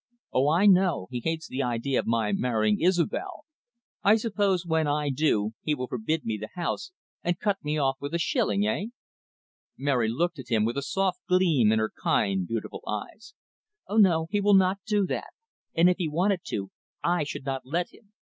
"Oh, I know. He hates the idea of my marrying Isobel. I suppose when I do he will forbid me the house, and cut me off with a shilling, eh?" Mary looked at him, with a soft gleam in her kind, beautiful eyes. "Oh, no, he will not do that. And if he wanted to, I should not let him.